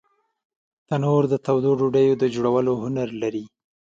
تنور د تودو ډوډیو د جوړولو هنر لري